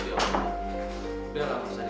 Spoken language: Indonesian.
udah lah jangan dikikiri